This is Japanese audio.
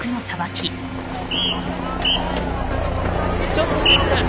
ちょっとすいません。